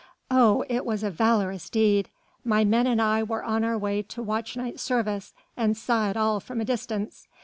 Oh, it was a valorous deed! My men and I were on our way to watch night service, and saw it all from a distance.